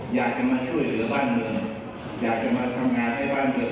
อยากจะมาช่วยเหลือบ้านเมืองอยากจะมาทำงานให้บ้านเมือง